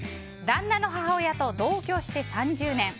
旦那の母親と同居して３０年。